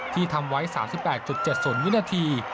ที่ทำไว้๓๘๗๐วินาที